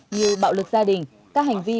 như bạo lực gia đình các hành vi